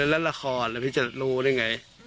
แล้วรายละครพี่จะรู้ได้ไง